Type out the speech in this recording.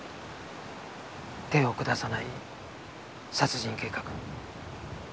手を下さない殺人計画。